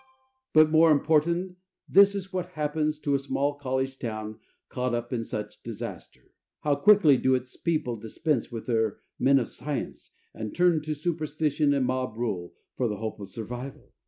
But more important, this is what happens to a small, college town caught up in such disaster. How quickly do its people dispense with their men of science and turn to superstition and mob rule for hope of survival?